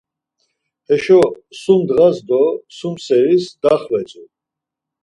Heşo sum ndğas do sum seris daxvetzu.